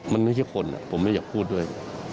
มันไม่ใช่คนผมไม่อยากพูดด้วย